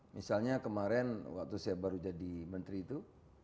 misalnya kemarin waktu saya baru jadi menteri itu